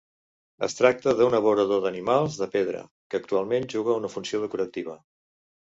Es tracta d'un abeurador d'animals de pedra, que actualment juga una funció decorativa.